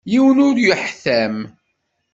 Yiwen ur yuḥtam.